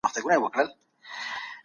تامین کړئ.